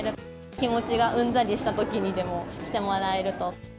気持ちがうんざりしたときにでも来てもらえると。